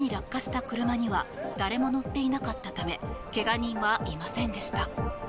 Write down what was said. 幸い、穴に落下した車には誰も乗っていなかったため怪我人はいませんでした。